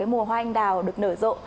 mùa hoa anh đào được nở rộ